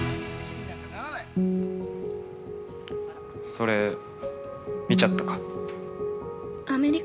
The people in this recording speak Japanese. ◆それ、見ちゃったか。